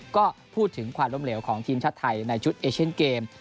ก็พูดถึงความล้มเหลวของทีมชาติไทยในชุดเอเชียนเกม